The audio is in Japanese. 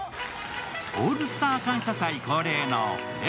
「オールスター感謝祭」恒例の重圧